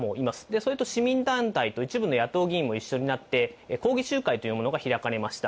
それと市民団体と一部の野党議員も一緒になって、抗議集会というものが開かれました。